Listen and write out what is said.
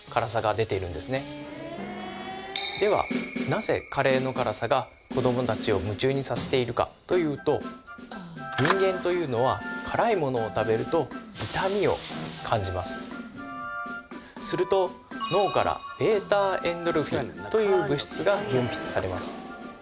なぜカレーの辛さが子どもたちを夢中にさせているかというと人間というのは辛いものを食べると痛みを感じますすると脳からβ−エンドルフィンという物質が分泌されます